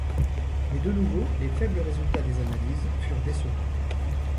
Mais de nouveau, les faibles résultats des analyses furent décevants.